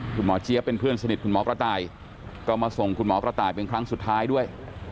เจี๊ยบเป็นเพื่อนสนิทคุณหมอกระต่ายก็มาส่งคุณหมอกระต่ายเป็นครั้งสุดท้ายด้วย